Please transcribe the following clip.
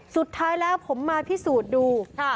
สุดท้ายแล้วผมมาพิสูจน์ดู